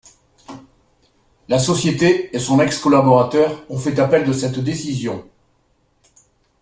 La société et son ex-collaborateur ont fait appel de cette décision.